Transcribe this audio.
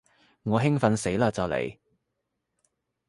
我興奮死嘞就嚟